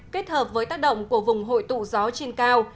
kết hợp với tác động của vùng hội tụ gió trên cao